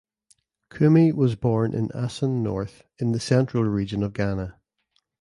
Kumi was born in Assin North in the Central Region of Ghana.